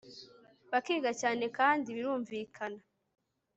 bakiga cyane kandi birumvikana